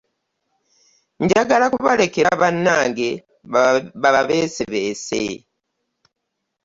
Njagala kubalekera bannange bababeesebeese.